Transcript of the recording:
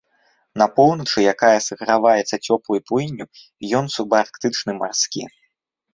На поўначы, якая саграваецца цёплай плынню, ён субарктычны марскі.